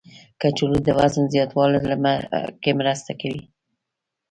کچالو د وزن زیاتولو کې مرسته کوي.